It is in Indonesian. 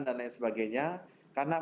dan lain sebagainya karena